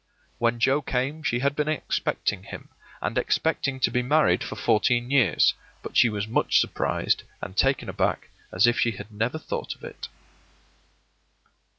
When Joe came she had been expecting him, and expecting to be married for fourteen years, but she was as much surprised and taken aback as if she had never thought of it.